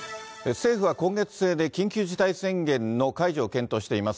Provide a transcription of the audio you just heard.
政府は今月末で、緊急事態宣言の解除を検討しています。